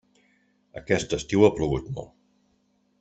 Aquest estiu ha plogut molt.